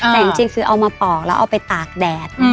แต่จริงคือเอามาปอกแล้วเอาไปตากแดด